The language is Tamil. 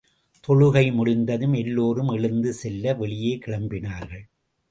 தொழுகை முடிந்ததும் எல்லோரும் எழுந்து செல்ல வெளியே கிளம்பினார்கள்.